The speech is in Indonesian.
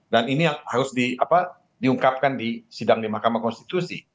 dan ini yang harus diungkapkan di sidang di mahkamah konstitusi